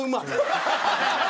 ハハハハ！